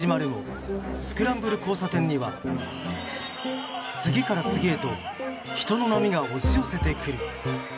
交通規制が始まるもスクランブル交差点には次から次へと人の波が押し寄せてくる。